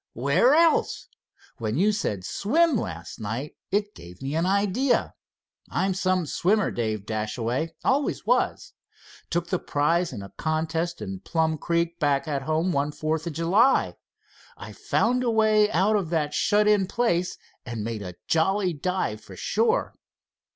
"Where else? When you said 'swim' last night, it gave me an idea. I'm some swimmer, Dave Dashaway. Always was. Took the prize in a contest in Plum Creek back at home one Fourth of July. I found a way out of that shut in place and made a jolly dive for shore."